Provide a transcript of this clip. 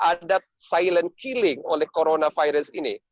ada silent killing oleh coronavirus ini